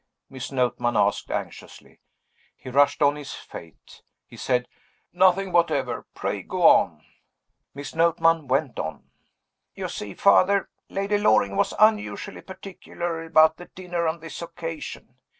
Miss Notman asked anxiously. He rushed on his fate. He said, "Nothing whatever. Pray go on." Miss Notman went on. "You see, Father, Lady Loring was unusually particular about the dinner on this occasion.